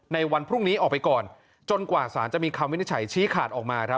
ในวันพรุ่งนี้ออกไปก่อนจนกว่าสารจะมีคำวินิจฉัยชี้ขาดออกมาครับ